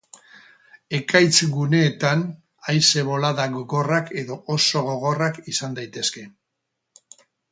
Ekaitz-guneetan haize-boladak gogorrak edo oso gogorrak izan daitezke.